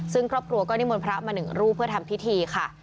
ซึ่งครอบครัวก็นิมนต์พระมาหนึ่งรูปเพื่อทำพิธีค่ะ